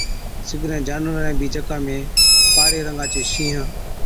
سِگڙين جانورين بِي جڪا ۾ ڪاڙي رنگا چي شِينهِين،